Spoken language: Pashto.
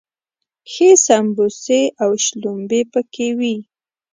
ښې سمبوسې او شلومبې پکې وي.